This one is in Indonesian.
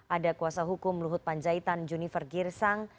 ada kuasa hukum luhut panjaitan junifer girsang